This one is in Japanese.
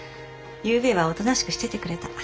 ゆうべはおとなしくしててくれた。